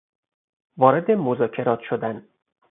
وارد مذاکرات شدن